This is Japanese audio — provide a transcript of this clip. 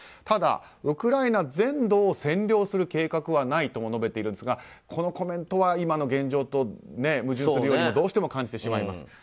ただ、ウクライナ全土を占領する計画はないとも述べているんですがこのコメントは今の現状と矛盾するようにどうしても感じてしまいます。